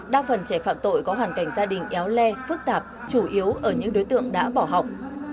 đa phần trẻ phạm tội có hoàn cảnh gia đình éo le phức tạp chủ yếu ở những đối tượng đã bỏ học